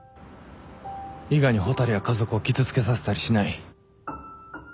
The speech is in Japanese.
伊賀に蛍や家族を傷つけさせたりしない。